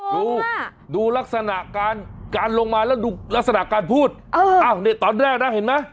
ดูดูลักษณะการการลงมาแล้วดูลักษณะการพูดเอออ้าวเนี้ยตอนแรกน่ะเห็นไหม